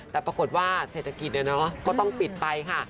แต่ปรากฏว่าเศรษฐกิจก็ต้องปิดไปค่ะ